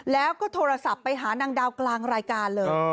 แล้วก็โทรศัพท์ไปหานางดาวกลางรายการเลย